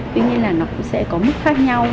tuy nhiên là nó cũng sẽ có mức khác nhau